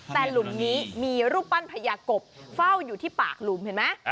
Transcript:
แต่หลุมนี้มีรูปปั้นพญากบเฝ้าอยู่ที่ปากหลุมเห็นไหม